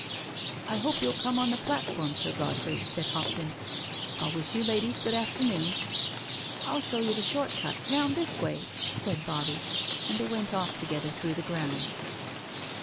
" I hope you'll come on the platform. Sir Godfrey," said Hopton. " I'll wish you ladies good afternoon." " I'll show you the short cut— round this way," said 38 NO SURRENDER Bobbie, and they went off together through the grounds.